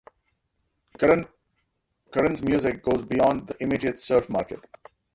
Curren's music goes beyond the immediate 'surf market'.